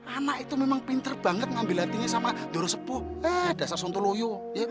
anak itu memang pintar banget mengambil hatinya sama doro sepo dasar sontoloyo